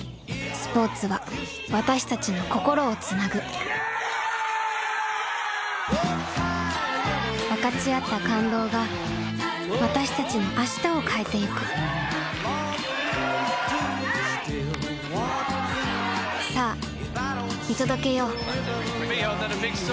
スポーツは私たちの心をつなぐ分かち合った感動が私たちの明日を変えてゆくさあ見届けよう。